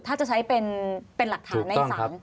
ถ้าจะใช้เป็นหลักฐานในศาล